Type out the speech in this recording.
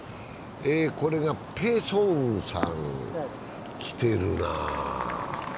これがペ・ソンウさん、きてるな。